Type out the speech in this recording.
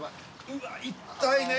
うわっ痛いね。